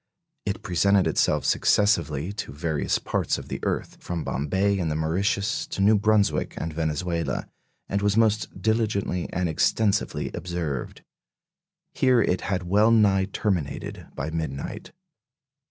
It presented itself successively to various parts of the earth, from Bombay and the Mauritius to New Brunswick and Venezuela, and was most diligently and extensively observed. Here it had well nigh terminated by midnight.